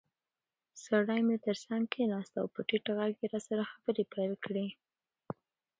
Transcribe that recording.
سړی مې تر څنګ کېناست او په ټیټ غږ یې راسره خبرې پیل کړې.